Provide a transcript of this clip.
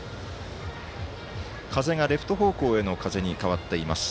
風がレフト方向への風に変わっています。